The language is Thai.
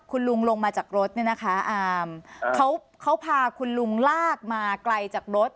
คุณลุงลงมาจากรถเนี่ยนะคะอามเขาพาคุณลุงลากมาไกลจากรถ